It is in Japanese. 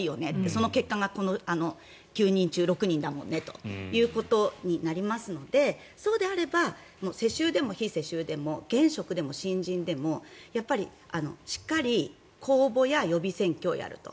その結果がこの９人中６人だよねとなりますのでそうであれば世襲でも非世襲でも現職でも新人でもしっかり公募や予備選挙をやると。